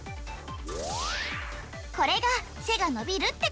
これがせがのびるってこと。